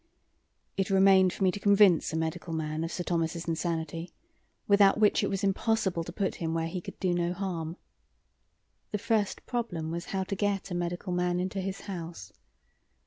"It remained for me to convince a medical man of Sir Thomas's insanity, without which it was impossible to put him where he could do no harm. The first problem was how to get a medical man into his house.